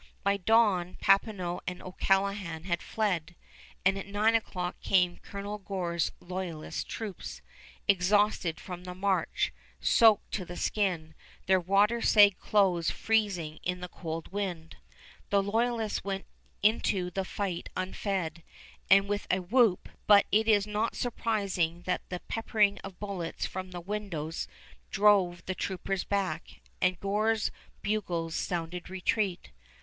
By dawn Papineau and O'Callaghan had fled, and at nine o'clock came Colonel Gore's loyalist troopers, exhausted from the march, soaked to the skin, their water sagged clothes freezing in the cold wind. The loyalists went into the fight unfed, and with a whoop; but it is not surprising that the peppering of bullets from the windows drove the troopers back, and Gore's bugles sounded retreat.